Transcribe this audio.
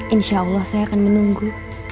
insya allah saya akan menunggu